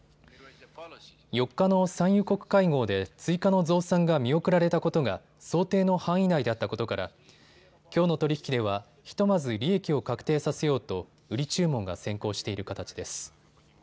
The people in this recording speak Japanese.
４日の産油国会合で追加の増産が見送られたことが想定の範囲内だったことからきょうの取り引きでは、ひとまず利益を確定させようと売り注文が先行している形です。